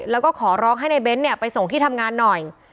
แล้วก็ขอร้องให้นายเบนท์เนี่ยไปส่งที่ทำงานหน่อย